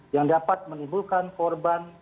yang dapat menimbulkan korban